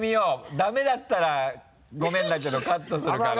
ダメだったらごめんだけどカットするから。